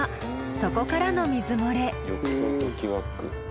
そこからの水漏れ。